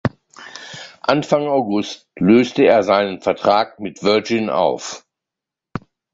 Anfang August löste er seinen Vertrag mit Virgin auf.